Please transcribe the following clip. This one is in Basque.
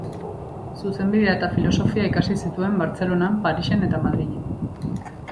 Zuzenbidea eta filosofia ikasi zituen Bartzelonan, Parisen eta Madrilen.